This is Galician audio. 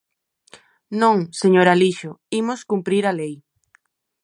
Non, señor Alixo, imos cumprir a lei.